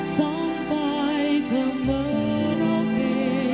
sampai ke merauke